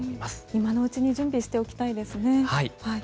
今のうちに準備しておきたいですね。